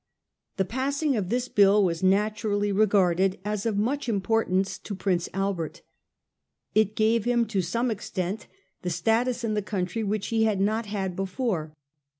The passing of this bill was naturally regarded as of much importance to Prince Albert. It gave him io some extent the status in the country which he had not had before.